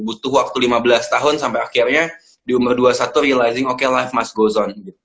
butuh waktu lima belas tahun sampai akhirnya di umur dua puluh satu realizing okay life must goes on